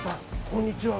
こんにちは。